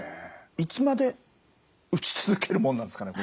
いつまで打ち続けるものなんですかね。